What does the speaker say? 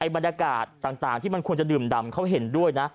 บรรยากาศต่างที่มันควรจะดื่มดำเขาเห็นด้วยนะ